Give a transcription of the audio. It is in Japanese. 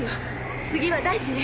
次は大地ね。